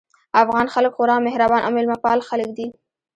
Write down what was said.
افغان خلک خورا مهربان او مېلمه پال خلک دي